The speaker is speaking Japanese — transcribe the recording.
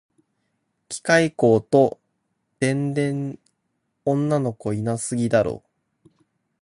機械工と電電女の子いなさすぎだろ